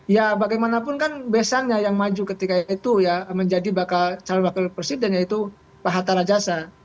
ya bagaimanapun kan besannya yang maju ketika itu ya menjadi bakal calon wakil presiden yaitu pak hatta rajasa